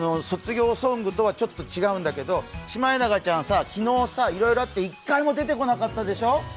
卒業ソングとはちょっと違うんだけどシマエナガちゃんさ、昨日いろいろあってさ１回も出てこなかったでしょう。